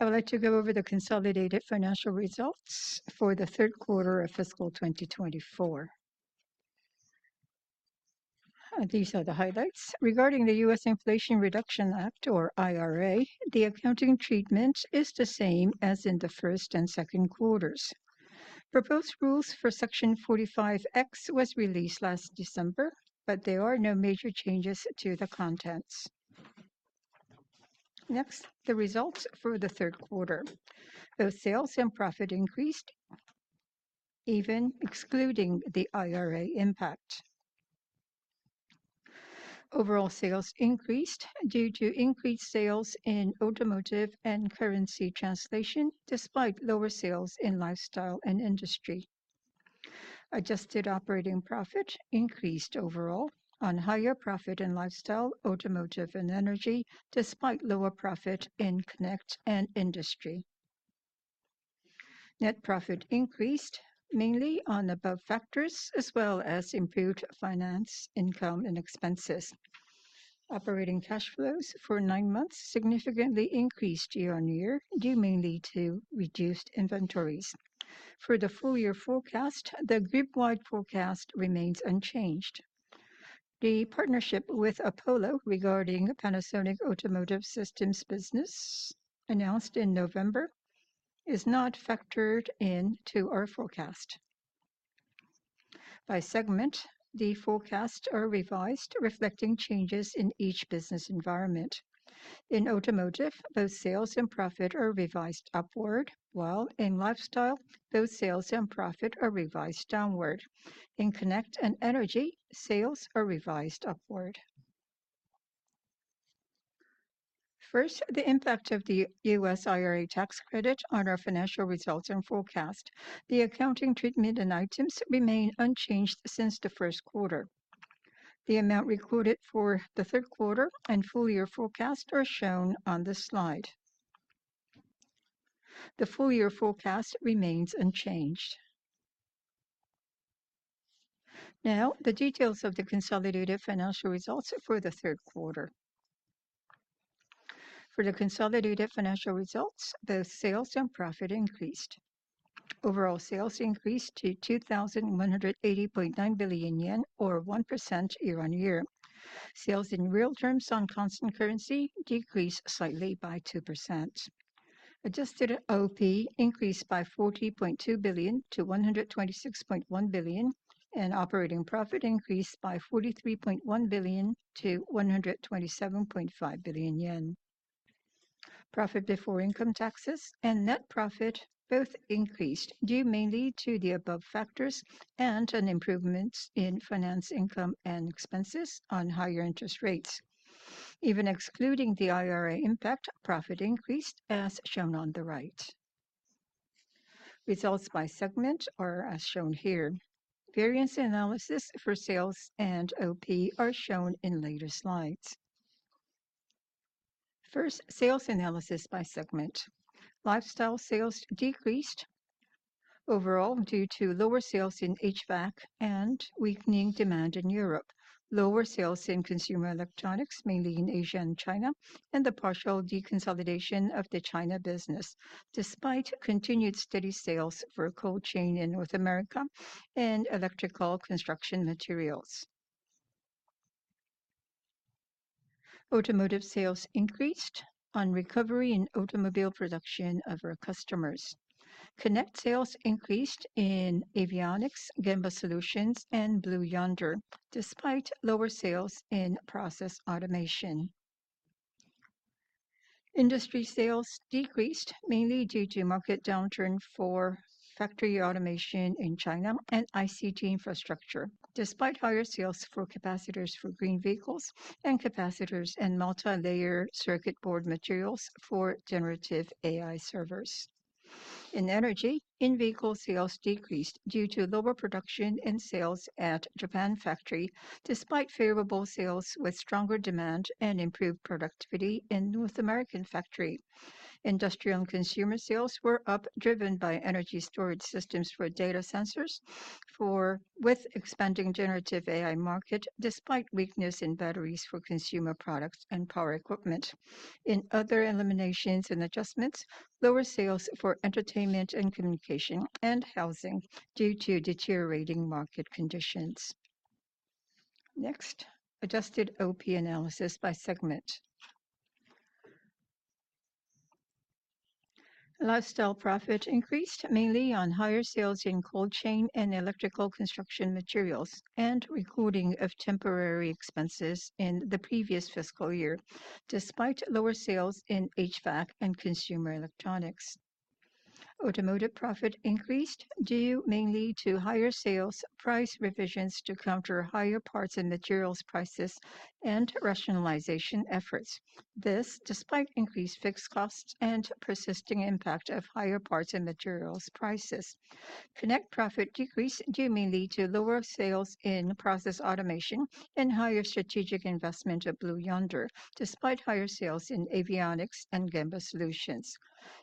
I would like to go over the Consolidated Financial Results for the Third Quarter of Fiscal 2024. These are the highlights. Regarding the U.S. Inflation Reduction Act, or IRA, the accounting treatment is the same as in the first and second quarters. Proposed rules for Section 45X was released last December, but there are no major changes to the contents. Next, the results for the third quarter. Both sales and profit increased, even excluding the IRA impact. Overall sales increased due to increased sales in Automotive and currency translation, despite lower sales in Lifestyle and Industry. Adjusted operating profit increased overall on higher profit in Lifestyle, Automotive, and Energy, despite lower profit in Connect and Industry. Net profit increased mainly on above factors, as well as improved finance, income, and expenses. Operating cash flows for nine months significantly increased year-on-year, due mainly to reduced inventories. For the full year forecast, the group-wide forecast remains unchanged. The partnership with Apollo regarding Panasonic Automotive Systems business, announced in November, is not factored into our forecast. By segment, the forecasts are revised, reflecting changes in each business environment. In Automotive, both sales and profit are revised upward, while in lifestyle, both sales and profit are revised downward. In Connect and Energy, sales are revised upward. First, the impact of the U.S. IRA tax credit on our financial results and forecast. The accounting treatment and items remain unchanged since the first quarter. The amount recorded for the third quarter and full year forecast are shown on the slide. The full year forecast remains unchanged. Now, the details of the consolidated financial results for the third quarter. For the consolidated financial results, both sales and profit increased. Overall sales increased to 2,180.9 billion yen, or 1% year-on-year. Sales in real terms on constant currency decreased slightly by 2%. Adjusted OP increased by 40.2 billion-126.1 billion, and operating profit increased by 43.1 billion-127.5 billion yen. Profit before income taxes and net profit both increased, due mainly to the above factors and an improvement in finance, income, and expenses on higher interest rates. Even excluding the IRA impact, profit increased, as shown on the right. Results by segment are as shown here. Variance analysis for sales and OP are shown in later slides. First, sales analysis by segment. Lifestyle sales decreased overall due to lower sales in HVAC and weakening demand in Europe, lower sales in consumer electronics, mainly in Asia and China, and the partial deconsolidation of the China business, despite continued steady sales for Cold Chain in North America and Electrical Construction Materials. Automotive sales increased on recovery in automobile production of our customers. Connect sales increased in Avionics, Gemba Solutions, and Blue Yonder, despite lower sales in Process Automation. Industry sales decreased mainly due to market downturn for Factory Automation in China and ICT infrastructure, despite higher sales for capacitors for green vehicles and capacitors and multilayer circuit board materials for generative AI servers. In Energy, in-vehicle sales decreased due to lower production and sales at Japan factory, despite favorable sales with stronger demand and improved productivity in North American factory. Industrial and Consumer sales were up, driven by Energy storage systems for data centers with expanding generative AI market, despite weakness in batteries for consumer products and power equipment. In other eliminations and adjustments, lower sales for Entertainment and Communication and Housing due to deteriorating market conditions. Next, Adjusted OP analysis by segment. Lifestyle profit increased mainly on higher sales in Cold Chain and Electrical Construction Materials, and recording of temporary expenses in the previous fiscal year, despite lower sales in HVAC and consumer electronics. Automotive profit increased due mainly to higher sales, price revisions to counter higher parts and materials prices, and rationalization efforts. This, despite increased fixed costs and persisting impact of higher parts and materials prices. Connect profit decreased due mainly to lower sales in Process Automation and higher strategic investment at Blue Yonder, despite higher sales in Avionics and Gemba Solutions.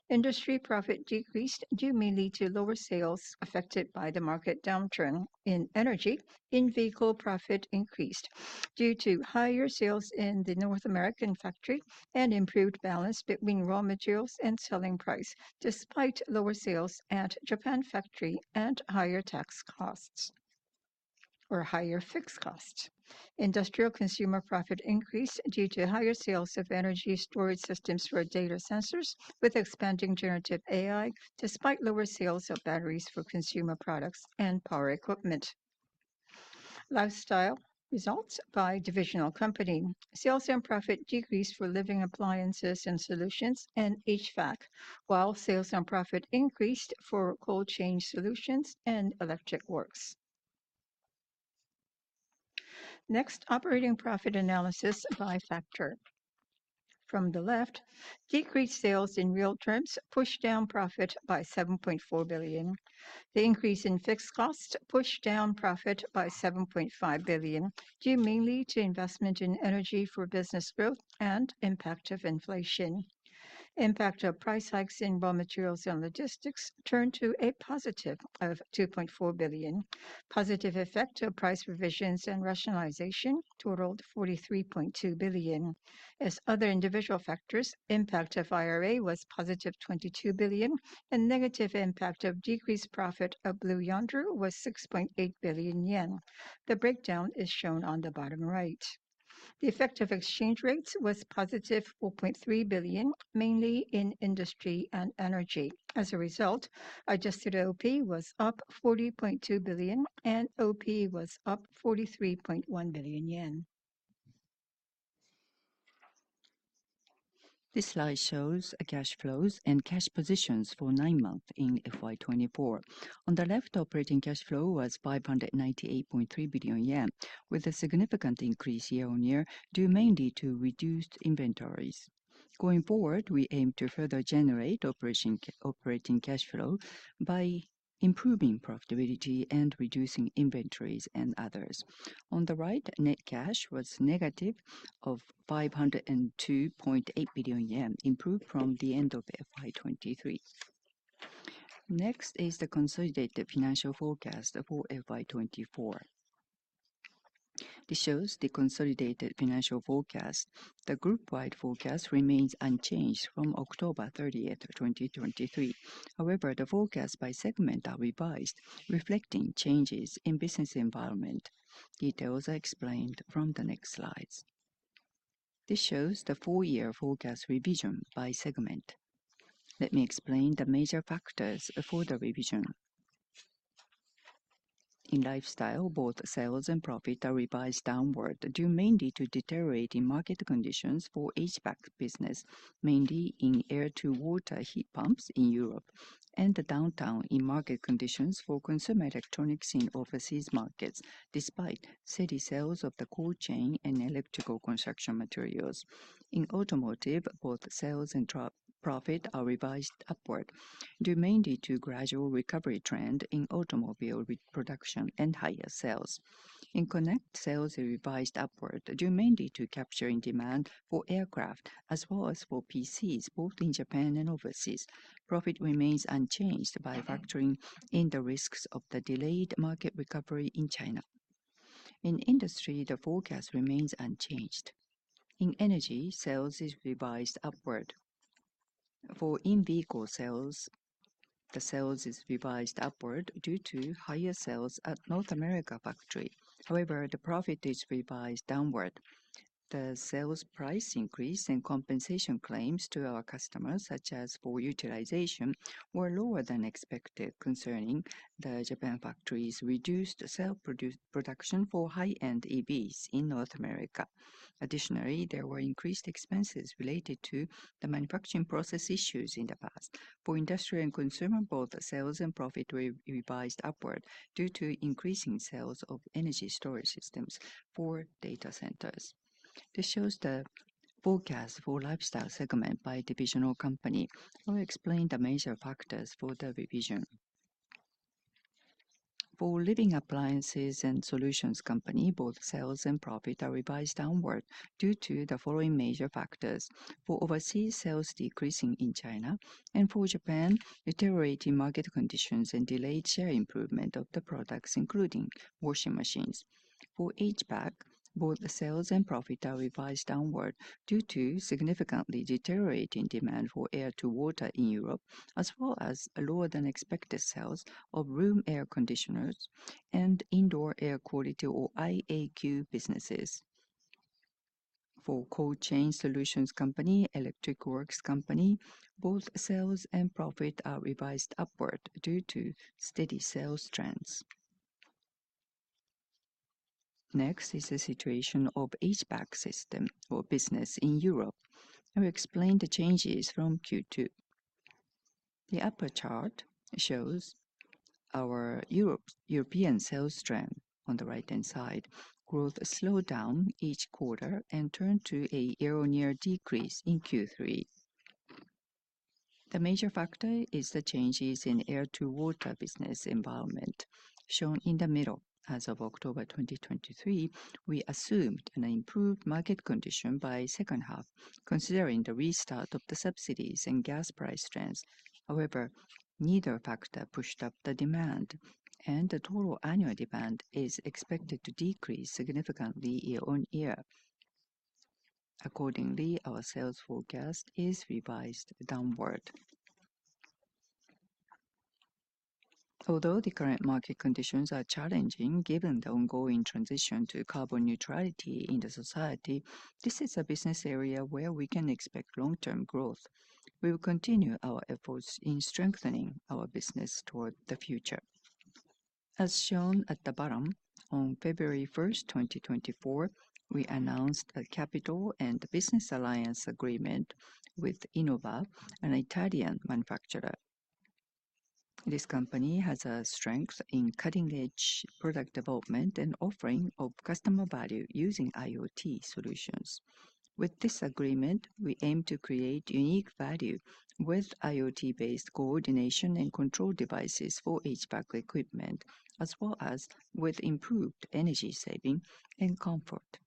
Industry profit decreased due mainly to lower sales affected by the market downturn. In Energy, in-vehicle profit increased due to higher sales in the North American factory and improved balance between raw materials and selling price, despite lower sales at Japan factory and higher tax costs. ... or higher fixed cost. Industrial and Consumer profit increased due to higher sales of Energy storage systems for data centers, with expanding generative AI, despite lower sales of batteries for consumer products and power equipment. Lifestyle results by divisional company. Sales and profit decreased for Living Appliances and Solutions and HVAC, while sales and profit increased for Cold Chain Solutions and Electric Works. Next, operating profit analysis by factor. From the left, decreased sales in real terms pushed down profit by 7.4 billion. The increase in fixed costs pushed down profit by 7.5 billion, due mainly to investment in Energy for business growth and impact of inflation. Impact of price hikes in raw materials and logistics turned to a positive of 2.4 billion. Positive effect of price revisions and rationalization totaled 43.2 billion. As other individual factors, impact of IRA was positive 22 billion, and negative impact of decreased profit of Blue Yonder was 6.8 billion yen. The breakdown is shown on the bottom right. The effect of exchange rates was positive 4.3 billion, mainly in Industry and Energy. As a result, Adjusted OP was up 40.2 billion, and OP was up 43.1 billion yen. This slide shows the cash flows and cash positions for nine months in FY 2024. On the left, operating cash flow was 598.3 billion yen, with a significant increase year-on-year, due mainly to reduced inventories. Going forward, we aim to further generate operating cash flow by improving profitability and reducing inventories and others. On the right, net cash was negative 502.8 billion yen, improved from the end of FY 2023. Next is the consolidated financial forecast for FY 2024. This shows the consolidated financial forecast. The group-wide forecast remains unchanged from October 30th, 2023. However, the forecast by segment are revised, reflecting changes in business environment. Details are explained from the next slides. This shows the full year forecast revision by segment. Let me explain the major factors for the revision. In Lifestyle, both sales and profit are revised downward, due mainly to deteriorating market conditions for HVAC business, mainly in air-to-water heat pumps in Europe, and the downturn in market conditions for consumer electronics in overseas markets, despite steady sales of the Cold Chain and Electrical Construction Materials. In Automotive, both sales and profit are revised upward, due mainly to gradual recovery trend in automobile production and higher sales. In Connect, sales are revised upward, due mainly to capturing demand for aircraft as well as for PCs, both in Japan and overseas. Profit remains unchanged by factoring in the risks of the delayed market recovery in China. In Industry, the forecast remains unchanged. In Energy, sales is revised upward. For in-vehicle sales, the sales is revised upward due to higher sales at North America factory. However, the profit is revised downward. The sales price increase and compensation claims to our customers, such as for utilization, were lower than expected, concerning the Japan factories reduced cell production for high-end EVs in North America. Additionally, there were increased expenses related to the manufacturing process issues in the past. For Industrial and Consumer, both sales and profit revised upward due to increasing sales of Energy storage systems for data centers. This shows the forecast for lifestyle segment by divisional company. Let me explain the major factors for the revision. For Living Appliances and Solutions Company, both sales and profit are revised downward due to the following major factors: for overseas, sales decreasing in China, and for Japan, deteriorating market conditions and delayed share improvement of the products, including washing machines. For HVAC, both the sales and profit are revised downward due to significantly deteriorating demand for air-to-water in Europe, as well as lower-than-expected sales of room air conditioners and Indoor Air Quality or IAQ businesses. For Cold Chain Solutions Company, Electric Works Company, both sales and profit are revised upward due to steady sales trends. Next is the situation of HVAC system or business in Europe. Let me explain the changes from Q2. The upper chart shows our European sales trend on the right-hand side. Growth slowed down each quarter and turned to a year-on-year decrease in Q3. The major factor is the changes in air-to-water business environment, shown in the middle. As of October 2023, we assumed an improved market condition by second half, considering the restart of the subsidies and gas price trends. However, neither factor pushed up the demand, and the total annual demand is expected to decrease significantly year-on-year. Accordingly, our sales forecast is revised downward.... Although the current market conditions are challenging, given the ongoing transition to carbon neutrality in the society, this is a business area where we can expect long-term growth. We will continue our efforts in strengthening our business toward the future. As shown at the bottom, on February 1st, 2024, we announced a capital and business alliance agreement with Innova, an Italian manufacturer. This company has a strength in cutting-edge product development and offering of customer value using IoT solutions. With this agreement, we aim to create unique value with IoT-based coordination and control devices for HVAC equipment, as well as with improved Energy saving and comfort.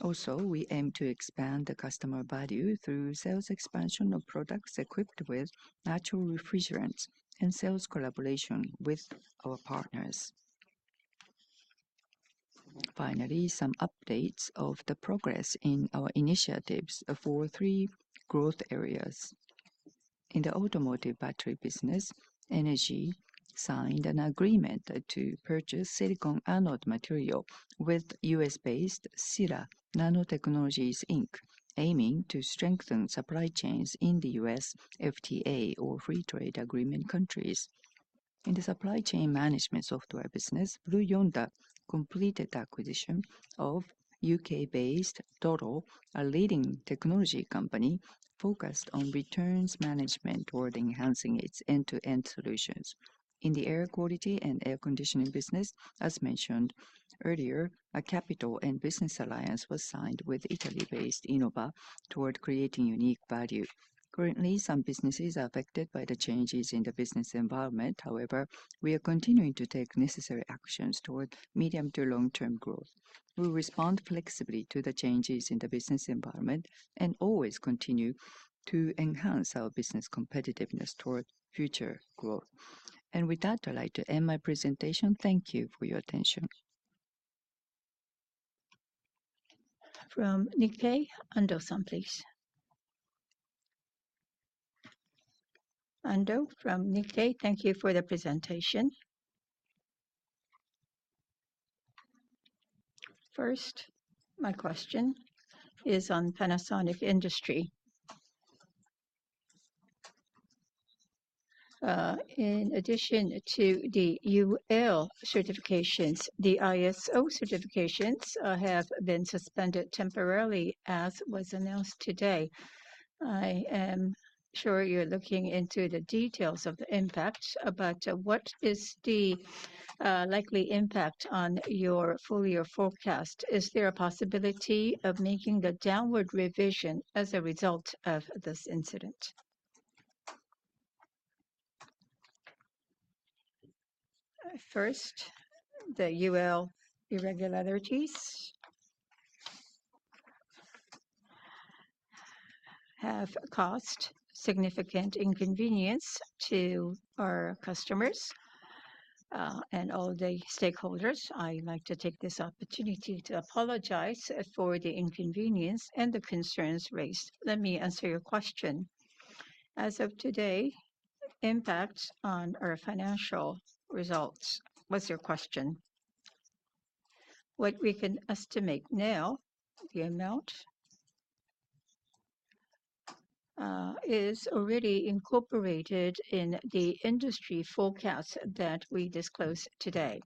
Also, we aim to expand the customer value through sales expansion of products equipped with natural refrigerants and sales collaboration with our partners. Finally, some updates of the progress in our initiatives for three growth areas. In the Automotive Battery business, Energy signed an agreement to purchase silicon anode material with U.S.-based Sila Nanotechnologies, Inc, aiming to strengthen supply chains in the U.S. FTA or Free Trade Agreement countries. In the supply chain management software business, Blue Yonder completed the acquisition of U.K.-based Doddle, a leading technology company focused on returns management toward enhancing its end-to-end solutions. In the air quality and air conditioning business, as mentioned earlier, a capital and business alliance was signed with Italy-based Innova toward creating unique value. Currently, some businesses are affected by the changes in the business environment. However, we are continuing to take necessary actions toward medium to long-term growth. We'll respond flexibly to the changes in the business environment and always continue to enhance our business competitiveness toward future growth. With that, I'd like to end my presentation. Thank you for your attention. From Nikkei, Ando-san, please. Ando from Nikkei, thank you for the presentation. First, my question is on Panasonic Industry. In addition to the UL certifications, the ISO certifications have been suspended temporarily, as was announced today. I am sure you're looking into the details of the impact, but, what is the likely impact on your full year forecast? Is there a possibility of making a downward revision as a result of this incident? First, the UL irregularities have caused significant inconvenience to our customers, and all the stakeholders. I'd like to take this opportunity to apologize for the inconvenience and the concerns raised. Let me answer your question. As of today, impact on our financial results was your question. What we can estimate now, the amount, is already incorporated in the Industry forecast that we disclosed today.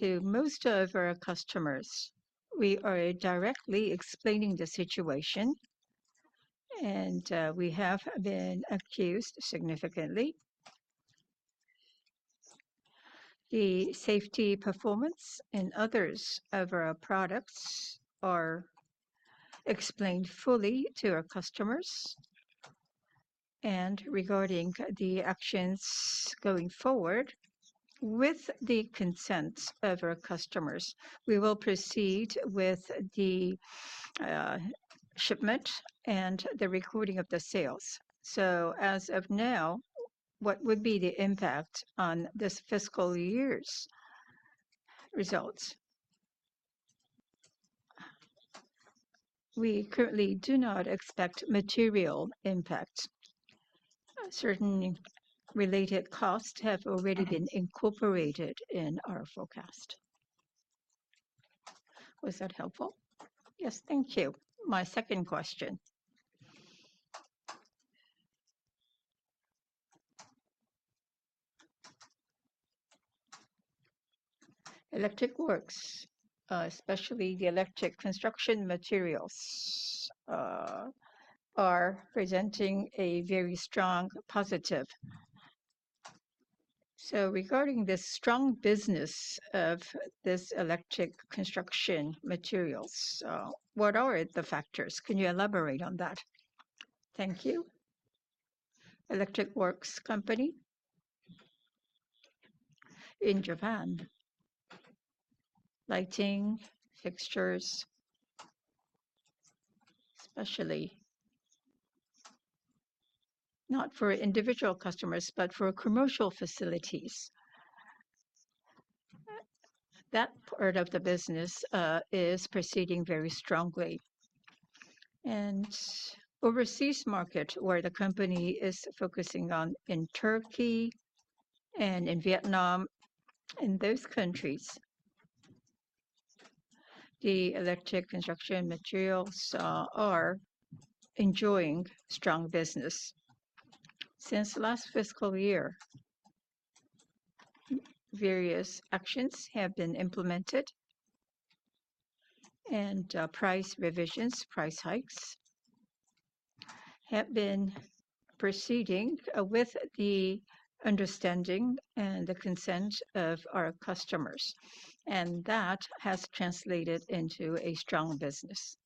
To most of our customers, we are directly explaining the situation, and we have been accused significantly. The safety performance and others of our products are explained fully to our customers. Regarding the actions going forward, with the consent of our customers, we will proceed with the shipment and the recording of the sales. So as of now, what would be the impact on this fiscal year's results? We currently do not expect material impact. Certain related costs have already been incorporated in our forecast. Was that helpful? Yes, thank you. My second question. Electric Works, especially the electric construction materials, are presenting a very strong positive. So regarding this strong business of this electric construction materials, what are the factors? Can you elaborate on that? Thank you. Electric Works Company in Japan, lighting, fixtures, especially not for individual customers, but for commercial facilities.... That part of the business, is proceeding very strongly. And overseas market, where the company is focusing on in Turkey and in Vietnam, in those countries, the electric construction materials, are enjoying strong business. Since last fiscal year, various actions have been implemented, and, price revisions, price hikes, have been proceeding, with the understanding and the consent of our customers, and that has translated into a strong business.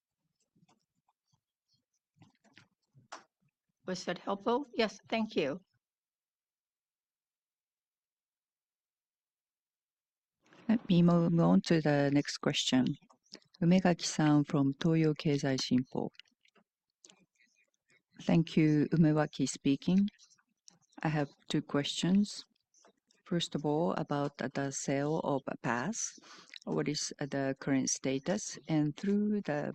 Was that helpful? Yes. Thank you. Let me move on to the next question. Umegaki-san from Toyo Keizai Shimpou. Thank you. Umegaki speaking. I have two questions. First of all, about the sale of PAS. What is the current status? And through the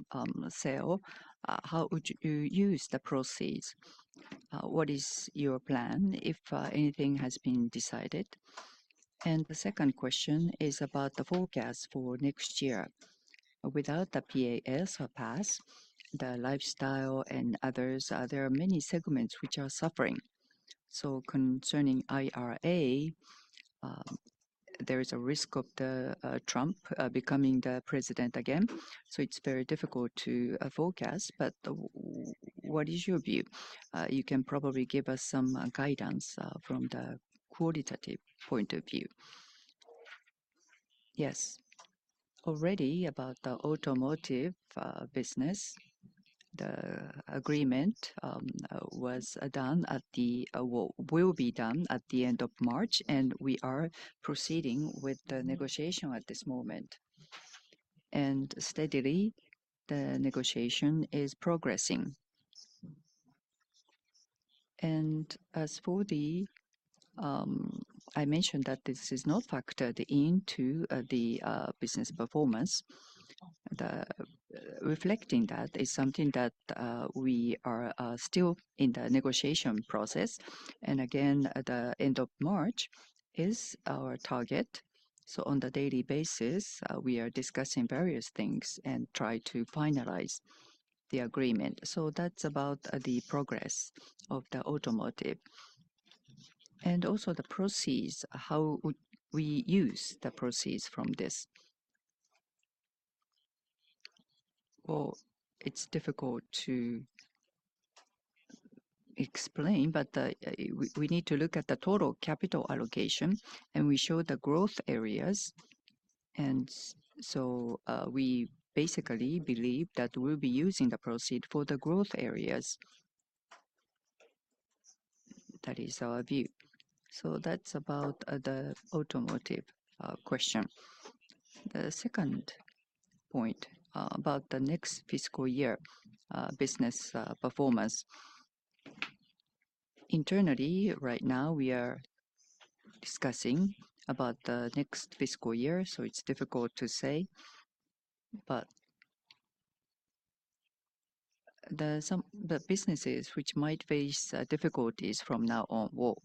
sale, how would you use the proceeds? What is your plan, if anything has been decided? And the second question is about the forecast for next year. Without the PAS or PAS, the lifestyle and others, there are many segments which are suffering. So concerning IRA, there is a risk of the Trump becoming the president again, so it's very difficult to forecast. But what is your view? You can probably give us some guidance from the qualitative point of view. Yes. Already about the Automotive business, the agreement was done at the... Well, it will be done at the end of March, and we are proceeding with the negotiation at this moment. Steadily, the negotiation is progressing. As for the, I mentioned that this is not factored into the business performance. Reflecting that is something that we are still in the negotiation process, and again, at the end of March is our target. So on the daily basis, we are discussing various things and try to finalize the agreement. So that's about the progress of the Automotive. Also the proceeds, how would we use the proceeds from this? Well, it's difficult to explain, but we need to look at the total capital allocation, and we show the growth areas. So we basically believe that we'll be using the proceed for the growth areas. That is our view. So that's about the Automotive question. The second point about the next fiscal year business performance. Internally, right now, we are discussing about the next fiscal year, so it's difficult to say. But the businesses which might face difficulties from now on, well,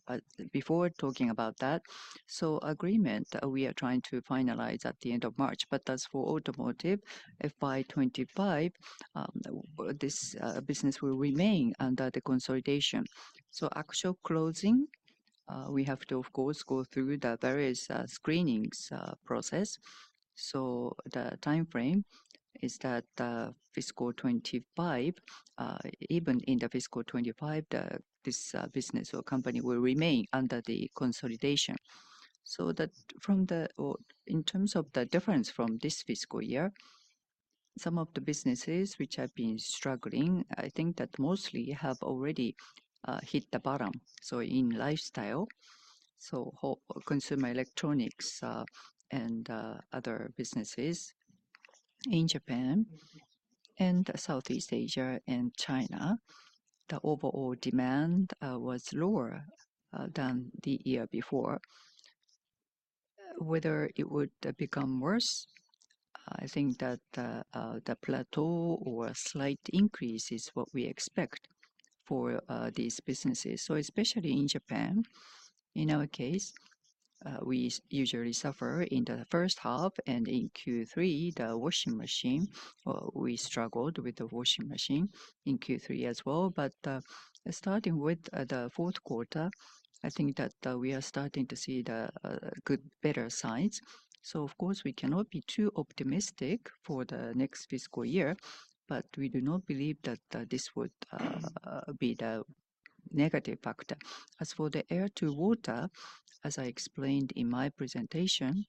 before talking about that, so agreement we are trying to finalize at the end of March, but that's for Automotive. If by 2025, this business will remain under the consolidation. So actual closing we have to, of course, go through the various screenings process. So the timeframe is that fiscal 2025, even in the fiscal 2025, this business or company will remain under the consolidation. So that from the in terms of the difference from this fiscal year, some of the businesses which have been struggling, I think that mostly have already hit the bottom. So in lifestyle, consumer electronics, and other businesses in Japan and Southeast Asia and China, the overall demand was lower than the year before. Whether it would become worse, I think that the plateau or a slight increase is what we expect for these businesses. So especially in Japan, in our case, we usually suffer in the first half, and in Q3, the washing machine, we struggled with the washing machine in Q3 as well. But starting with the fourth quarter, I think that we are starting to see the good, better signs. So of course, we cannot be too optimistic for the next fiscal year, but we do not believe that this would be the negative factor. As for the air-to-water, as I explained in my presentation,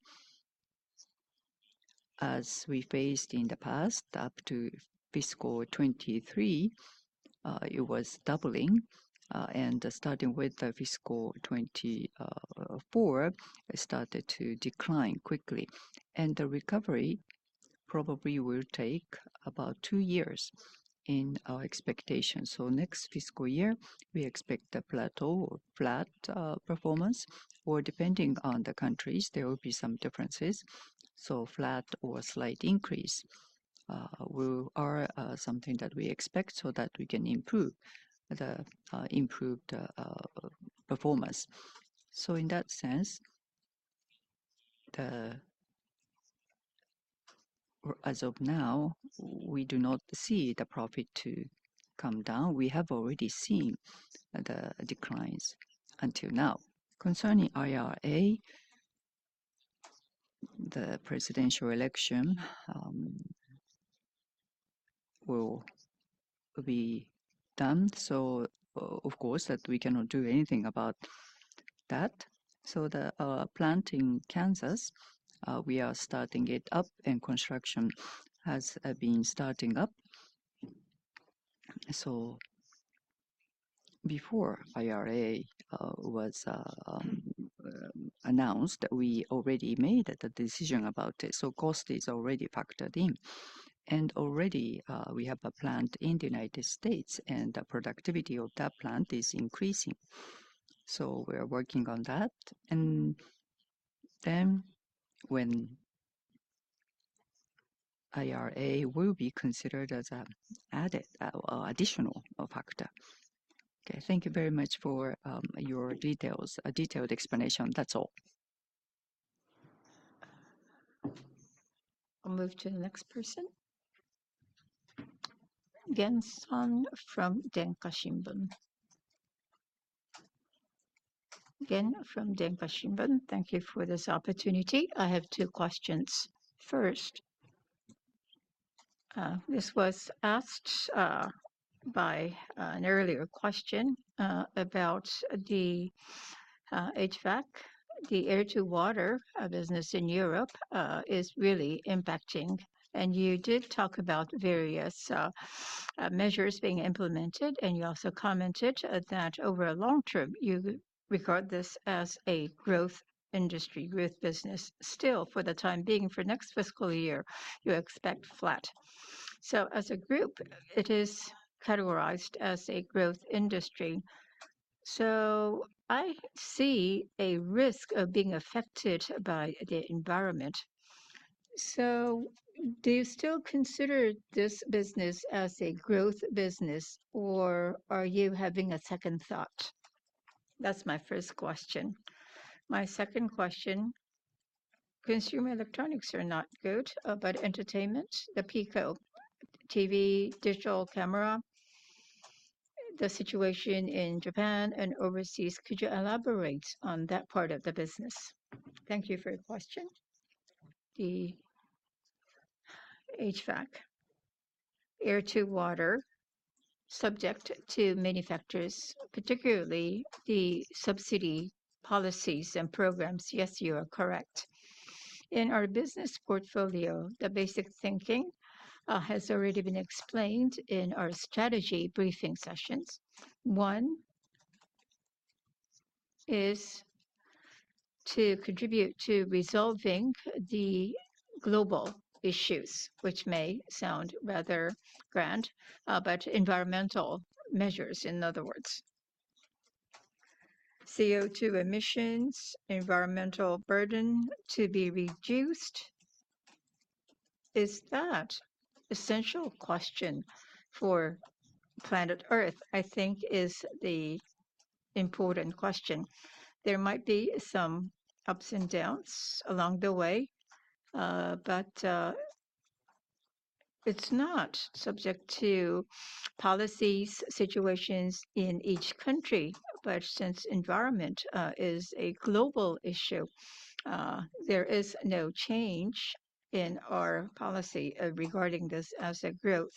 as we faced in the past, up to fiscal 2023, it was doubling. And starting with the fiscal 2024, it started to decline quickly. And the recovery-... probably will take about two years in our expectations. So next fiscal year, we expect a plateau or flat performance, or depending on the countries, there will be some differences. So flat or slight increase will be something that we expect so that we can improve the performance. So in that sense, or as of now, we do not see the profit to come down. We have already seen the declines until now. Concerning IRA, the presidential election will be done, so of course, that we cannot do anything about that. So the plant in Kansas, we are starting it up and construction has been starting up. So before IRA was announced, we already made the decision about it, so cost is already factored in. Already, we have a plant in the U.S., and the productivity of that plant is increasing. We're working on that, and then when IRA will be considered as an added or additional factor. Okay. Thank you very much for your detailed explanation. That's all. I'll move to the next person. Gen San from Denpa Shimbun. Gen from Denpa Shimbun, thank you for this opportunity. I have two questions. First, this was asked by an earlier question about the HVAC. The air-to-water business in Europe is really impacting, and you did talk about various measures being implemented, and you also commented that over a long term, you regard this as a growth Industry, growth business. Still, for the time being, for next fiscal year, you expect flat. So as a group, it is categorized as a growth Industry. So I see a risk of being affected by the environment. So do you still consider this business as a growth business, or are you having a second thought? That's my first question. My second question, consumer electronics are not good, but entertainment, the PEAC TV, digital camera, the situation in Japan and overseas, could you elaborate on that part of the business? Thank you for your question. The HVAC, air-to-water, subject to many factors, particularly the subsidy policies and programs. Yes, you are correct. In our business portfolio, the basic thinking has already been explained in our strategy briefing sessions. One is to contribute to resolving the global issues, which may sound rather grand, but environmental measures, in other words. CO2 emissions, environmental burden to be reduced, is that essential question for planet Earth, I think is the important question. There might be some ups and downs along the way, but it's not subject to policies, situations in each country. But since environment is a global issue, there is no change in our policy regarding this as a growth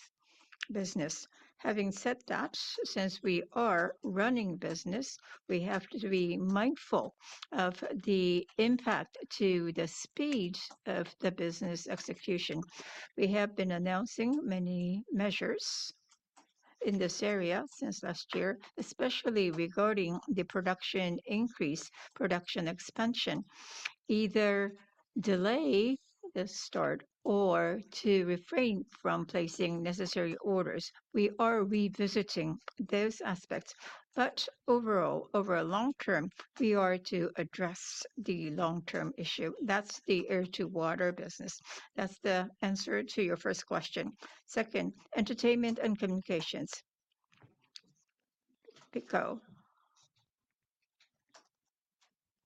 business. Having said that, since we are running business, we have to be mindful of the impact to the speed of the business execution. We have been announcing many measures in this area since last year, especially regarding the production increase, production expansion, either delay the start or to refrain from placing necessary orders. We are revisiting those aspects, but overall, over a long term, we are to address the long-term issue. That's the air-to-water business. That's the answer to your first question. Second, Entertainment and Communications. PEAC,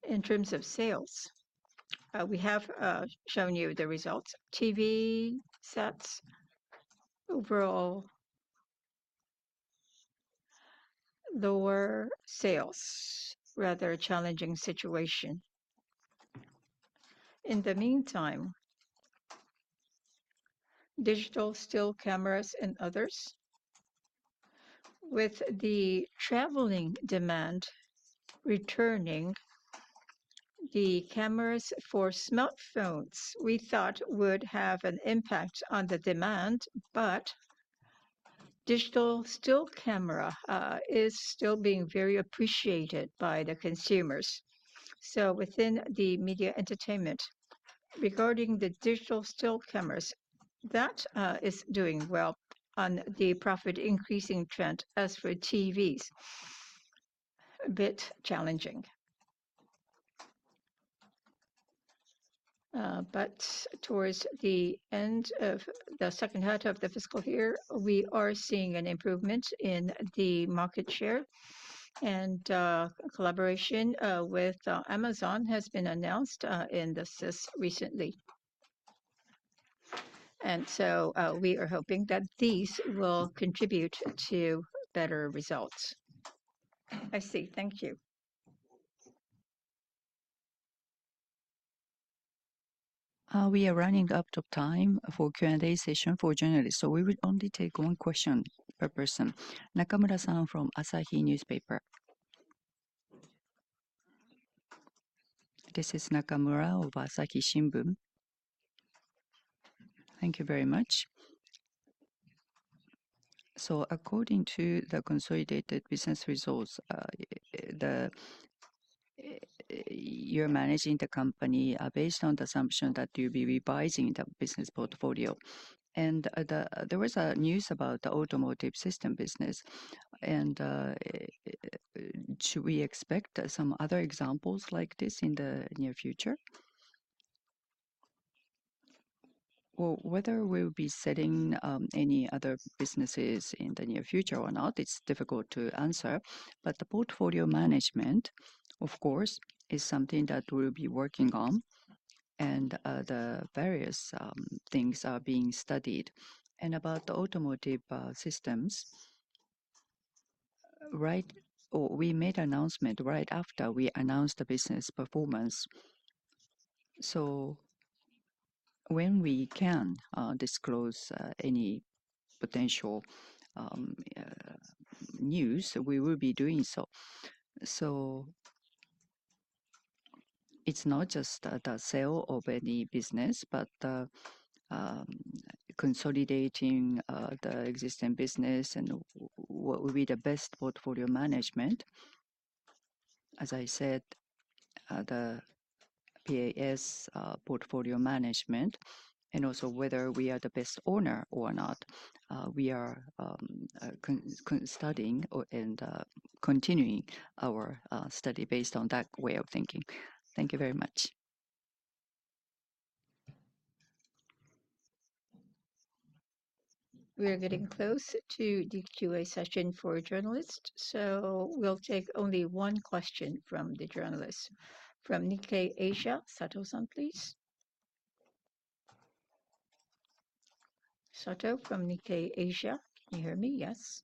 in terms of sales, we have shown you the results. TV sets, overall, lower sales, rather a challenging situation. In the meantime, digital still cameras and others, with the traveling demand returning, the cameras for smartphones, we thought would have an impact on the demand, but digital still camera is still being very appreciated by the consumers. So within the media entertainment, regarding the digital still cameras, that is doing well on the profit increasing trend. As for TVs, a bit challenging. But towards the end of the second half of the fiscal year, we are seeing an improvement in the market share, and collaboration with Amazon has been announced in the CES recently. So, we are hoping that these will contribute to better results. I see. Thank you. We are running out of time for Q&A session for journalists, so we will only take one question per person. Nakamura-san from Asahi Newspaper. This is Nakamura of Asahi Shimbun. Thank you very much. So according to the consolidated business results, you're managing the company based on the assumption that you'll be revising the business portfolio. And there was news about the Automotive system business, and should we expect some other examples like this in the near future? Well, whether we'll be selling any other businesses in the near future or not, it's difficult to answer. But the portfolio management, of course, is something that we'll be working on, and the various things are being studied. And about the Automotive systems, right, we made an announcement right after we announced the business performance. So when we can disclose any potential news, we will be doing so. So it's not just the sale of any business, but consolidating the existing business and what will be the best portfolio management. As I said, the PAS portfolio management, and also whether we are the best owner or not, we are studying and continuing our study based on that way of thinking. Thank you very much. We are getting close to the Q&A session for journalists, so we'll take only one question from the journalists. From Nikkei Asia, Sato-san, please. Sato from Nikkei Asia, can you hear me? Yes.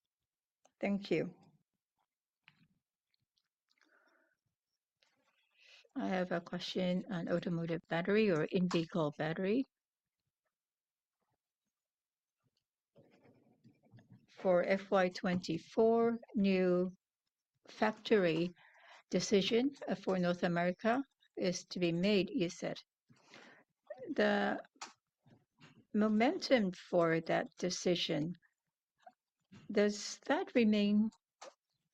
Thank you. I have a question on Automotive battery or in-vehicle battery. For FY 2024, new factory decision, for North America is to be made, you said. The momentum for that decision, does that remain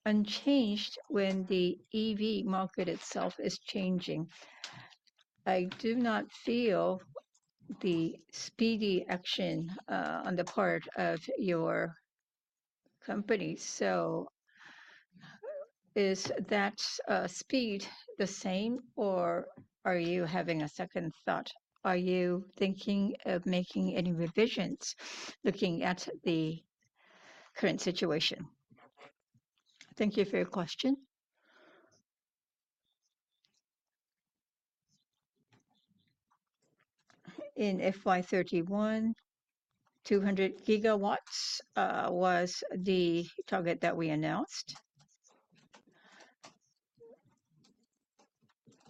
unchanged when the EV market itself is changing? I do not feel the speedy action, on the part of your company, so is that, speed the same, or are you having a second thought? Are you thinking of making any revisions, looking at the current situation? Thank you for your question. In FY 2031, 200 GW was the target that we announced.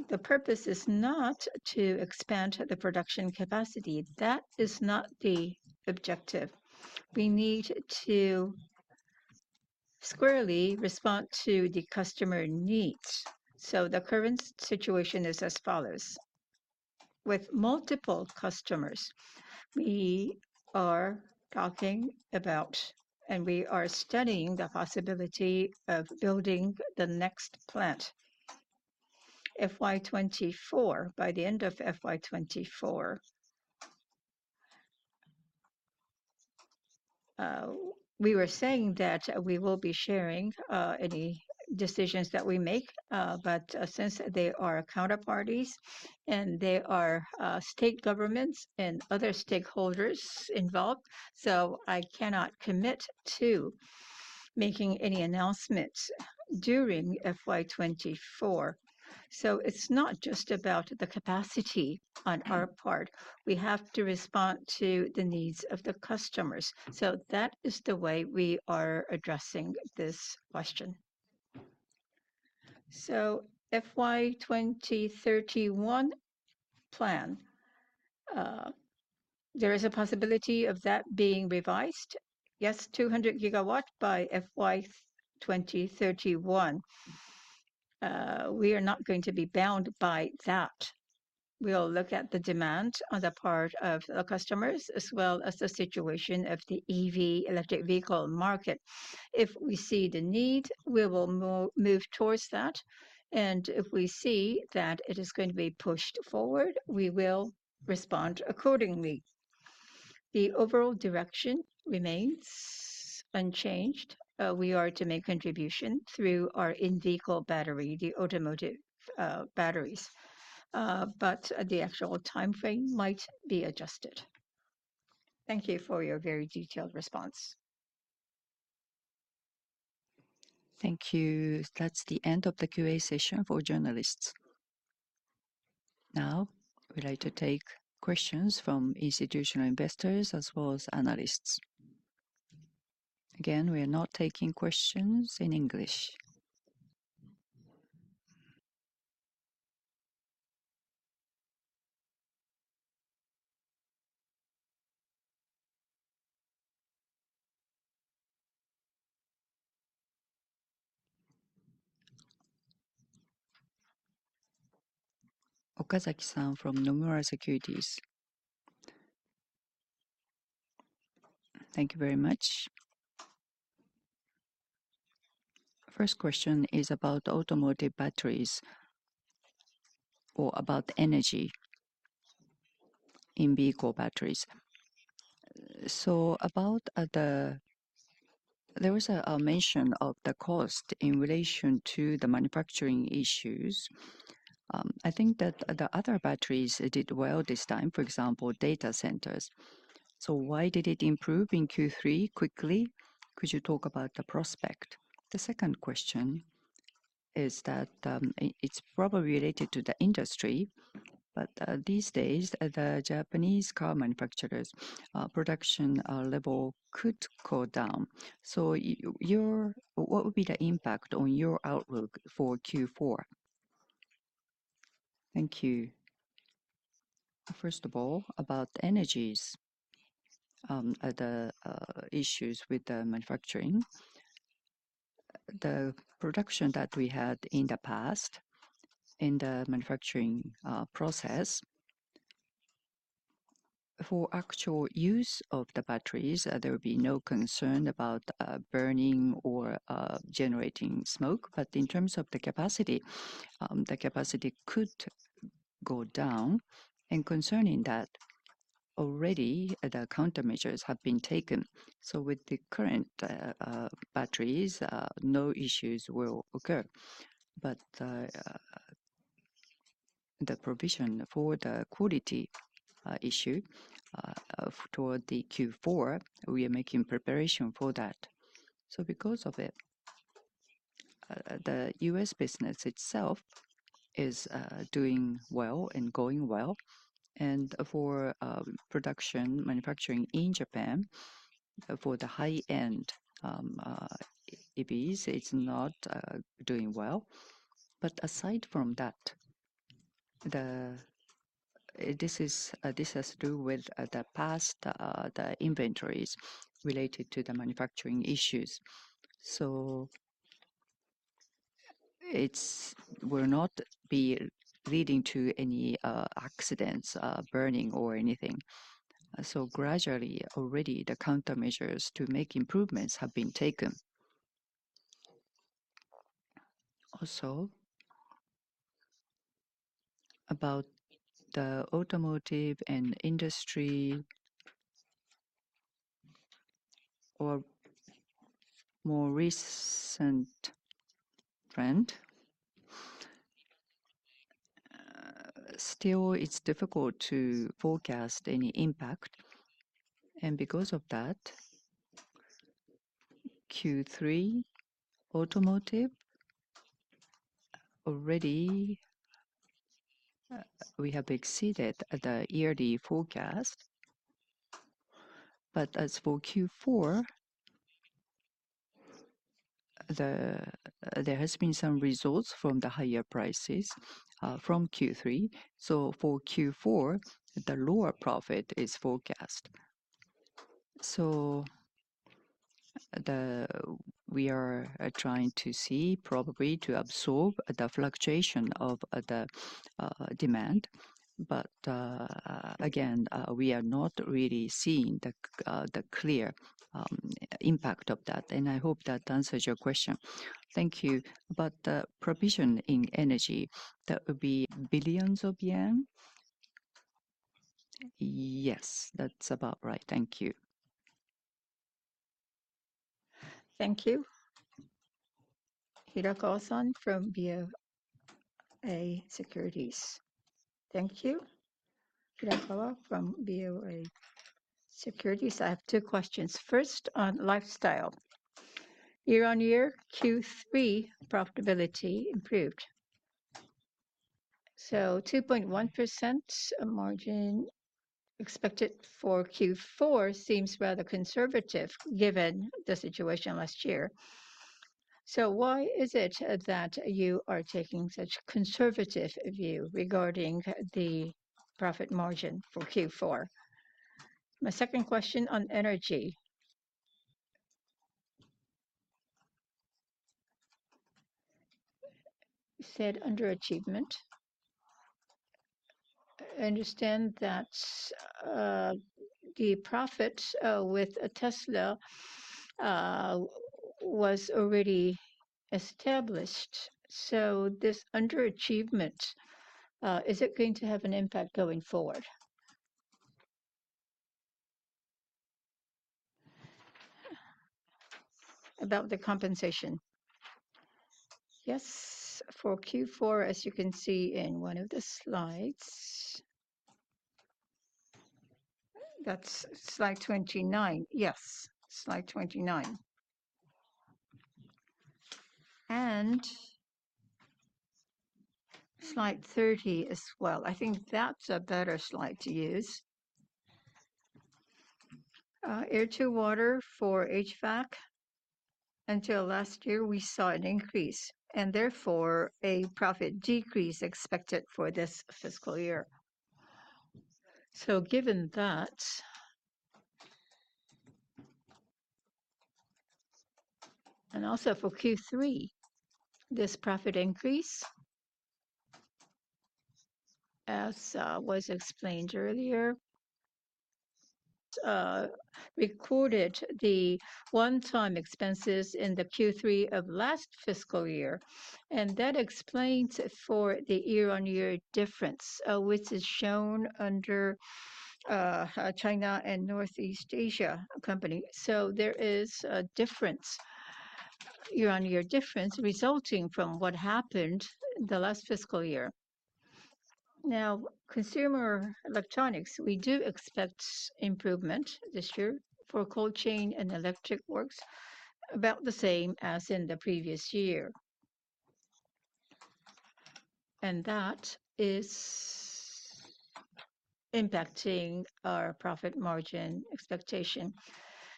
The purpose is not to expand the production capacity. That is not the objective. We need to squarely respond to the customer needs. So the current situation is as follows: with multiple customers, we are talking about, and we are studying the possibility of building the next plant. FY 2024, by the end of FY 2024. We were saying that we will be sharing any decisions that we make, but since they are counterparties and there are state governments and other stakeholders involved, so I cannot commit to making any announcements during FY 2024. So it's not just about the capacity on our part, we have to respond to the needs of the customers. So that is the way we are addressing this question. So FY 2031 plan, there is a possibility of that being revised. Yes, 200 GW by FY 2031. ... we are not going to be bound by that. We'll look at the demand on the part of the customers, as well as the situation of the EV, electric vehicle market. If we see the need, we will move towards that, and if we see that it is going to be pushed forward, we will respond accordingly. The overall direction remains unchanged. We are to make contribution through our in-vehicle battery, the Automotive, batteries. But the actual timeframe might be adjusted. Thank you for your very detailed response. Thank you. That's the end of the Q&A session for journalists. Now, we'd like to take questions from institutional investors as well as analysts. Again, we are not taking questions in English. Okazaki-san from Nomura Securities. Thank you very much. First question is about Automotive batteries or about Energy in vehicle batteries. So about the mention of the cost in relation to the manufacturing issues. I think that the other batteries did well this time, for example, data centers. So why did it improve in Q3 quickly? Could you talk about the prospect? The second question is that it's probably related to the Industry, but these days, the Japanese car manufacturers production level could go down. So your what would be the impact on your outlook for Q4? Thank you. First of all, about energies, the issues with the manufacturing. The production that we had in the past, in the manufacturing process, for actual use of the batteries, there will be no concern about burning or generating smoke. But in terms of the capacity, the capacity could go down. And concerning that, already, the countermeasures have been taken. So with the current batteries, no issues will occur. But the provision for the quality issue of toward the Q4, we are making preparation for that. So because of it, the U.S. business itself is doing well and going well. And for production manufacturing in Japan for the high-end EVs, it's not doing well. But aside from that, the... This is this has to do with the past, the inventories related to the manufacturing issues. So it's will not be leading to any accidents, burning or anything. So gradually, already, the countermeasures to make improvements have been taken. Also, about the Automotive and Industry or more recent trend, still, it's difficult to forecast any impact, and because of that, Q3 Automotive already, we have exceeded the yearly forecast. But as for Q4, the, there has been some results from the higher prices, from Q3. So for Q4, the lower profit is forecast. So we are trying to see, probably to absorb the fluctuation of the demand. But, again, we are not really seeing the clear impact of that, and I hope that answers your question. Thank you. But the provision in Energy, that would be billions of JPY? Yes, that's about right. Thank you. Thank you. Hirakawa-san from BofA Securities. Thank you. Hirakawa from BofA Securities. I have two questions. First, on Lifestyle. Year-on-year, Q3 profitability improved. So 2.1% margin expected for Q4 seems rather conservative, given the situation last year. So why is it that you are taking such conservative view regarding the profit margin for Q4? My second question on Energy. You said underachievement. I understand that, the profit, with, Tesla, was already established. So this underachievement, is it going to have an impact going forward? About the compensation? Yes, for Q4, as you can see in one of the slides. That's slide 29. Yes, slide 29. And slide 30 as well. I think that's a better slide to use. Air-to-water for HVAC, until last year, we saw an increase, and therefore, a profit decrease expected for this fiscal year. So given that, and also for Q3, this profit increase, as was explained earlier, recorded the one-time expenses in the Q3 of last fiscal year, and that explains it for the year-on-year difference, which is shown under China and Northeast Asia Company. So there is a difference, year-on-year difference, resulting from what happened the last fiscal year. Now, consumer electronics, we do expect improvement this year for Cold Chain and Electric Works, about the same as in the previous year. And that is impacting our profit margin expectation.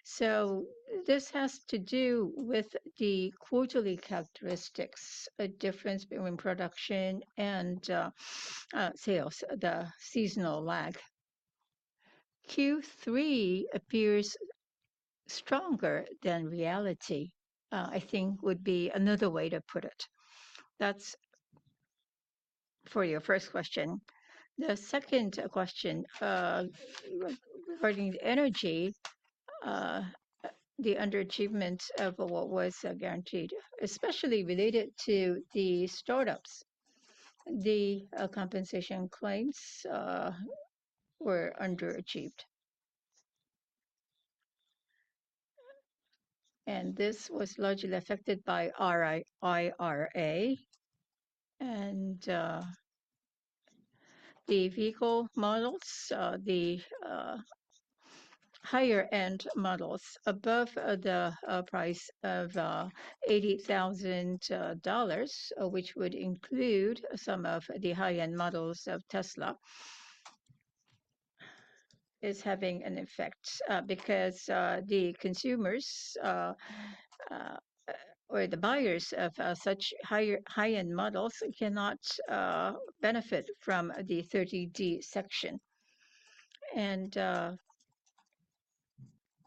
So this has to do with the quarterly characteristics, a difference between production and sales, the seasonal lag. Q3 appears stronger than reality. I think would be another way to put it. That's for your first question. The second question, regarding Energy, the underachievement of what was guaranteed, especially related to the startups. The compensation claims were underachieved. And this was largely affected by the IRA and the vehicle models, the higher-end models above the price of $80,000, which would include some of the high-end models of Tesla, is having an effect. Because the consumers or the buyers of such higher high-end models cannot benefit from the 30D section. And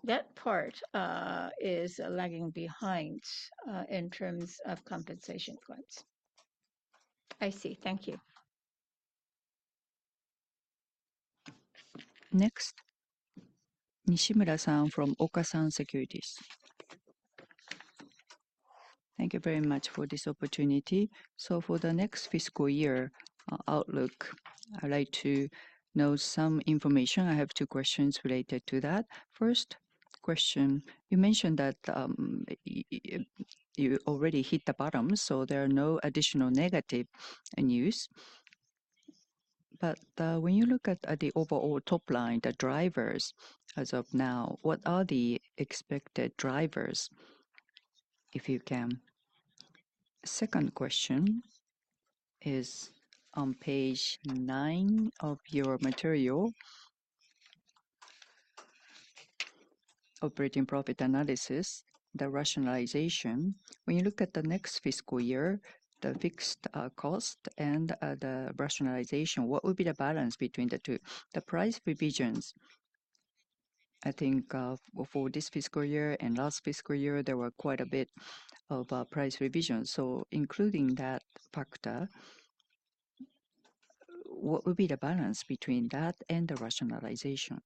that part is lagging behind in terms of compensation claims. I see. Thank you. Next, Nishimura-san from Okasan Securities. Thank you very much for this opportunity. For the next fiscal year outlook, I'd like to know some information. I have two questions related to that. First question, you mentioned that you already hit the bottom, so there are no additional negative news. But when you look at the overall top line, the drivers as of now, what are the expected drivers, if you can? Second question is on page nine of your material, operating profit analysis, the rationalization. When you look at the next fiscal year, the fixed cost and the rationalization, what would be the balance between the two? The price revisions, I think, for this fiscal year and last fiscal year, there were quite a bit of price revisions. Including that factor, what would be the balance between that and the rationalization?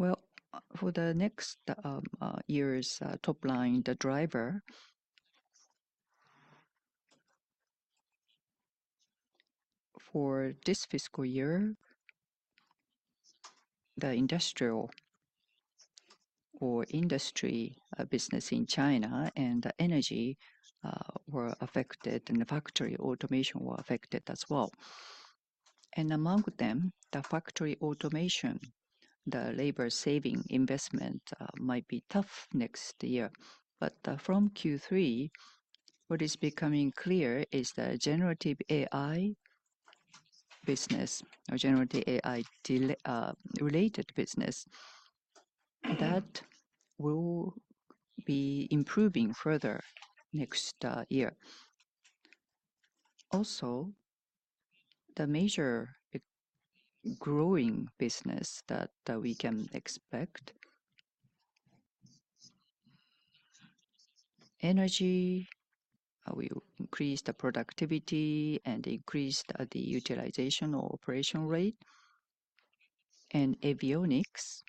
Well, for the next year's top line, the driver. For this fiscal year, the industrial or Industry business in China and the Energy were affected, and the Factory Automation were affected as well. And among them, the Factory Automation, the labor-saving investment might be tough next year. But from Q3, what is becoming clear is the generative AI business or generative AI-related business, that will be improving further next year.... Also, the major growing business that we can expect, Energy, will increase the productivity and increase the utilization or operation rate, and avionics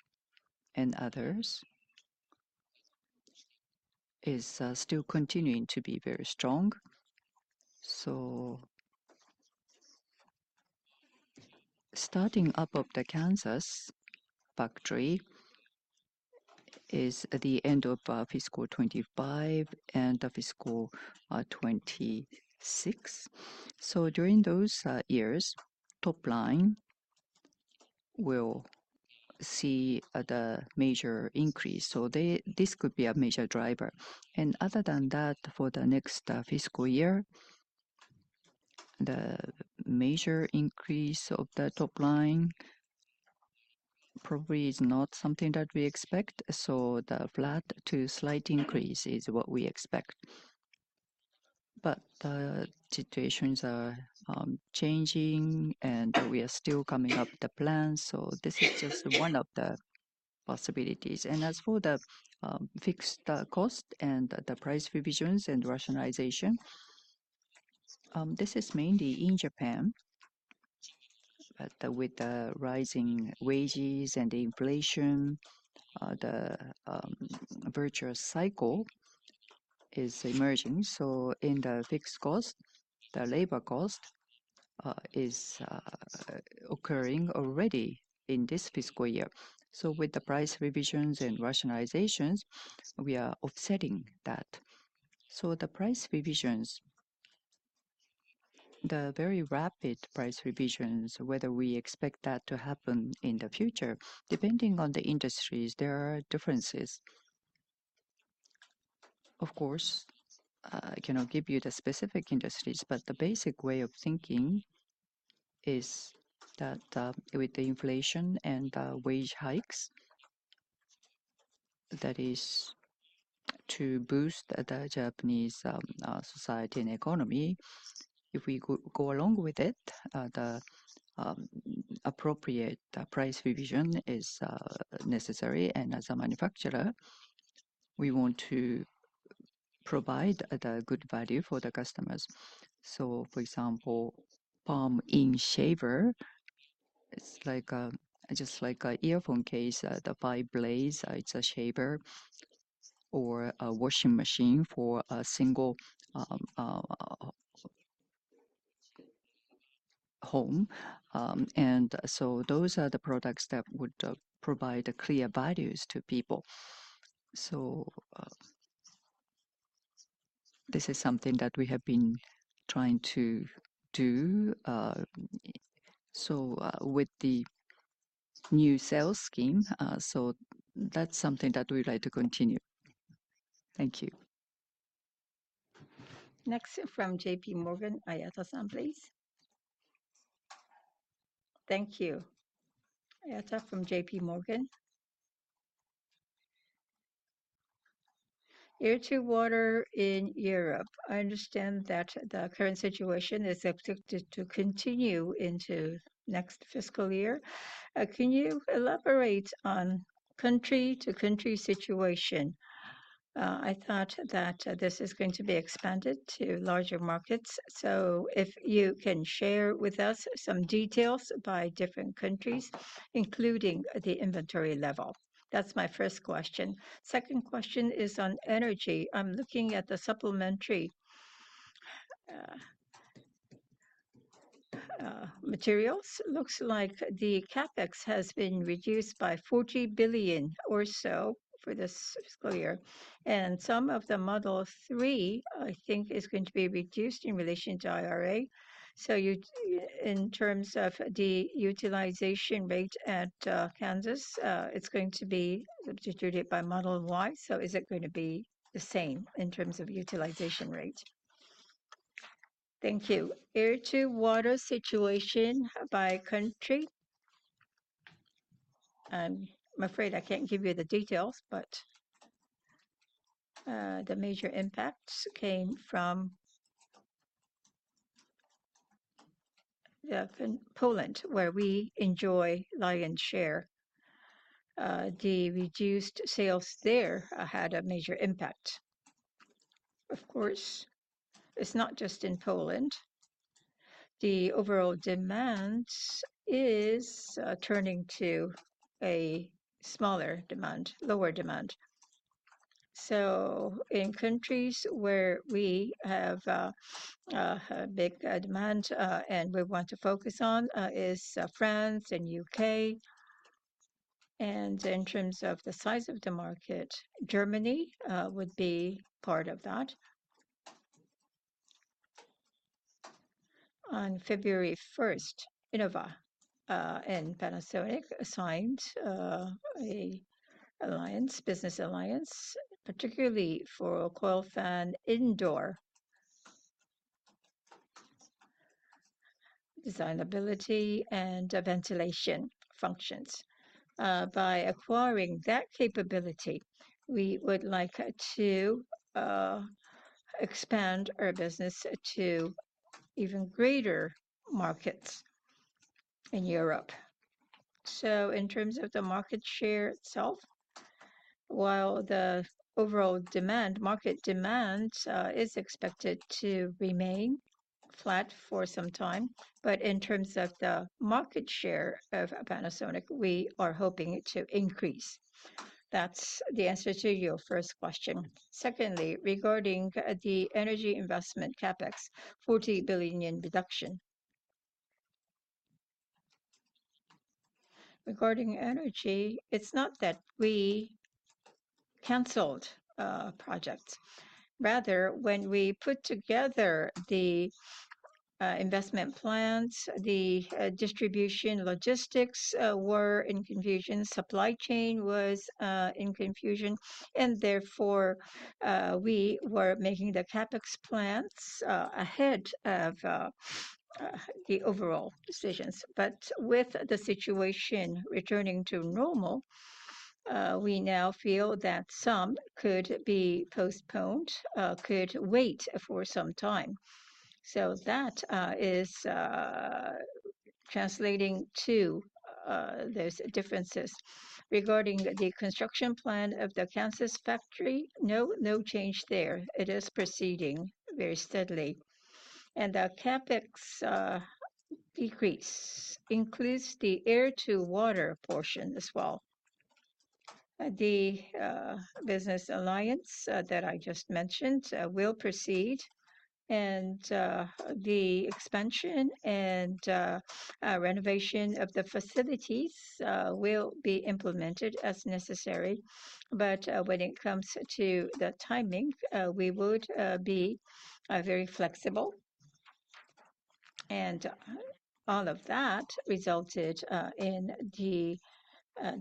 and others is still continuing to be very strong. So starting up of the Kansas factory is at the end of fiscal 2025 and the fiscal 2026. So during those years, top line will see at a major increase, so they, this could be a major driver. And other than that, for the next fiscal year, the major increase of the top line probably is not something that we expect, so the flat to slight increase is what we expect. But the situations are changing, and we are still coming up with the plan, so this is just one of the possibilities. As for the fixed cost and the price revisions and rationalization, this is mainly in Japan. But with the rising wages and inflation, the virtuous cycle is emerging. So in the fixed cost, the labor cost is occurring already in this fiscal year. So with the price revisions and rationalizations, we are offsetting that. So the price revisions, the very rapid price revisions, whether we expect that to happen in the future, depending on the industries, there are differences. Of course, I cannot give you the specific industries, but the basic way of thinking is that with the inflation and wage hikes, that is to boost the Japanese society and economy, if we go along with it, the appropriate price revision is necessary. As a manufacturer, we want to provide the good value for the customers. So for example, in shaver, it's like a just like a earphone case, the five blades, it's a shaver or a washing machine for a single home. And so those are the products that would provide clear values to people. So this is something that we have been trying to do, so with the new sales scheme, so that's something that we'd like to continue. Thank you. Next from JPMorgan, Ayada San, please. Thank you. Ayada from JPMorgan. Air-to-water in Europe, I understand that the current situation is expected to continue into next fiscal year. Can you elaborate on country to country situation? I thought that this is going to be expanded to larger markets, so if you can share with us some details by different countries, including the inventory level. That's my first question. Second question is on Energy. I'm looking at the supplementary materials. Looks like the CapEx has been reduced by 40 billion or so for this fiscal year, and some of the Model 3, I think, is going to be reduced in relation to IRA. So you, in terms of the utilization rate at Kansas, it's going to be substituted by Model Y, so is it going to be the same in terms of utilization rate? Thank you. Air-to-water situation by country, I'm afraid I can't give you the details, but the major impacts came from... Yeah, from Poland, where we enjoy lion's share. The reduced sales there had a major impact. Of course, it's not just in Poland. The overall demand is turning to a smaller demand, lower demand. So in countries where we have a big demand and we want to focus on is France and U.K., and in terms of the size of the market, Germany would be part of that. On February first, Innova and Panasonic signed a alliance, business alliance, particularly for coil fan indoor designability and ventilation functions. By acquiring that capability, we would like to expand our business to even greater markets in Europe. So in terms of the market share itself, while the overall demand, market demand, is expected to remain flat for some time, but in terms of the market share of Panasonic, we are hoping it to increase. That's the answer to your first question. Secondly, regarding the Energy investment CapEx, 40 billion yen in reduction. Regarding Energy, it's not that we canceled projects. Rather, when we put together the investment plans, the distribution logistics were in confusion, supply chain was in confusion, and therefore we were making the CapEx plans ahead of the overall decisions. But with the situation returning to normal, we now feel that some could be postponed, could wait for some time. So that is translating to those differences. Regarding the construction plan of the Kansas factory, no, no change there. It is proceeding very steadily. And the CapEx decrease includes the air-to-water portion as well. The business alliance that I just mentioned will proceed, and the expansion and renovation of the facilities will be implemented as necessary. But when it comes to the timing, we would be very flexible. And all of that resulted in the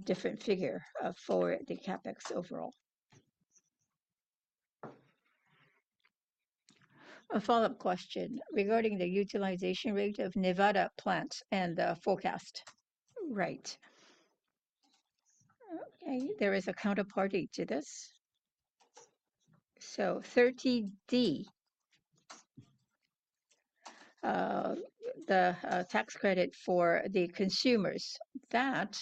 different figure for the CapEx overall. A follow-up question regarding the utilization rate of Nevada plant and the forecast. Right. Okay, there is a counterparty to this. So 30D, the tax credit for the consumers, that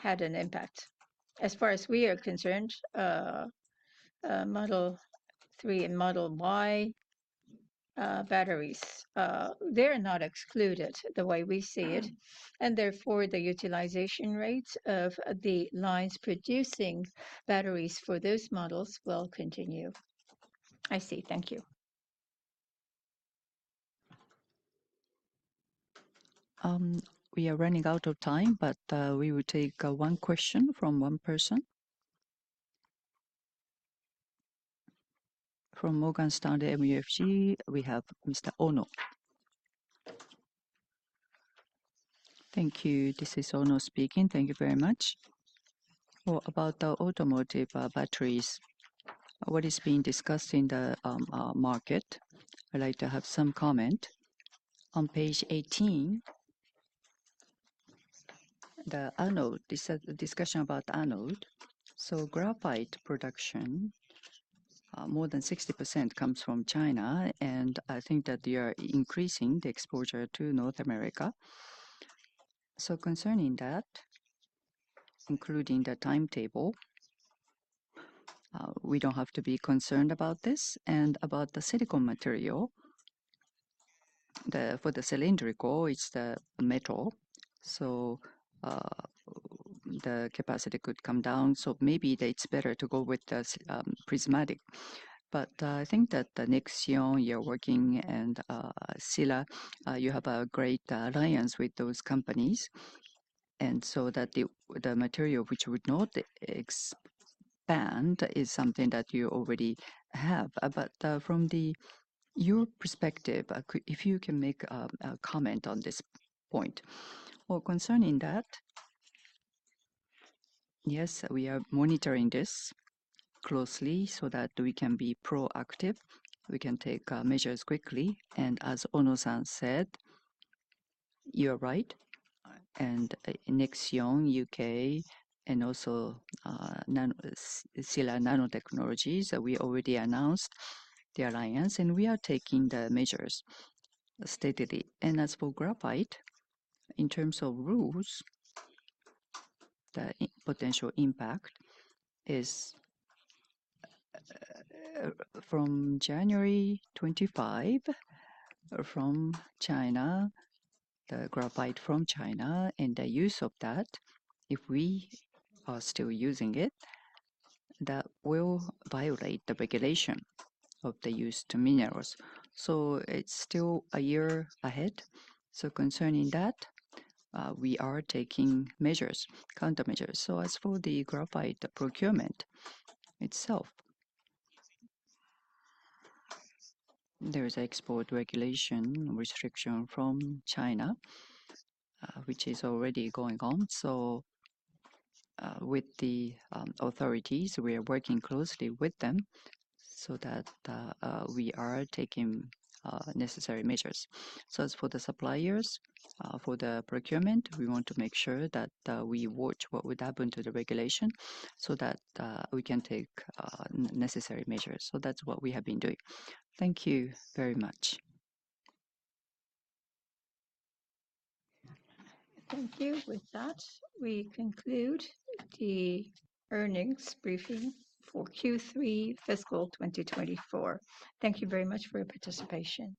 had an impact. As far as we are concerned, Model 3 and Model Y batteries, they're not excluded the way we see it, and therefore, the utilization rates of the lines producing batteries for those models will continue. I see. Thank you. We are running out of time, but we will take one question from one person. From Morgan Stanley MUFG, we have Mr. Ono. Thank you. This is Ono speaking. Thank you very much. Well, about the Automotive batteries, what is being discussed in the market, I'd like to have some comment. On page 18, the anode, this is a discussion about anode. So graphite production, more than 60% comes from China, and I think that they are increasing the exposure to North America. So concerning that, including the timetable, we don't have to be concerned about this? And about the silicon material, for the cylindrical, it's the metal, so the capacity could come down, so maybe that it's better to go with the prismatic. But I think that the Nexeon you're working and Sila, you have a great alliance with those companies, and so that the material which would not expand is something that you already have. But from your perspective, if you can make a comment on this point. Well, concerning that, yes, we are monitoring this closely so that we can be proactive, we can take measures quickly. And as Ono-san said, you're right, and Nexeon U.K. and also Sila Nanotechnologies, we already announced the alliance, and we are taking the measures steadily. And as for graphite, in terms of rules, the potential impact is from January 25, from China, the graphite from China, and the use of that, if we are still using it, that will violate the regulation of the use of minerals. So it's still a year ahead. So concerning that, we are taking measures, countermeasures. So as for the graphite procurement itself, there is export regulation restriction from China, which is already going on. So, with the authorities, we are working closely with them so that we are taking necessary measures. So as for the suppliers, for the procurement, we want to make sure that we watch what would happen to the regulation, so that we can take necessary measures. So that's what we have been doing. Thank you very much. Thank you. With that, we conclude the earnings briefing for Q3 Fiscal 2024. Thank you very much for your participation.